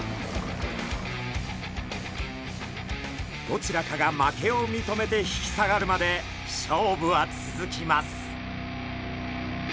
どちらかが負けを認めて引き下がるまで勝負は続きます。